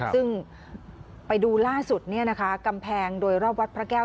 ซึ่งไปดูล่าสุดกำแพงโดยรอบวัดพระแก้ว